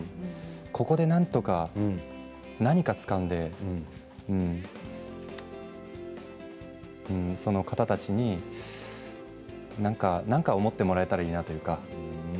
ここでなんとか、何かつかんでその方たちに何か思ってもらえたらいいなというか。